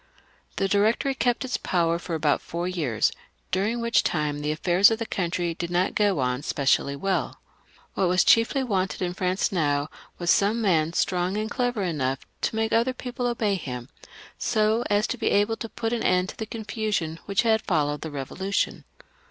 The Directory kept its power for about four years, dur ing which time the affairs of the country did not go on specially well. What was chiefly wanted in France now was some man, strong and clever enough to make other people obey him, so as to be able to put an end to the con fusion which had followed the Eevolution.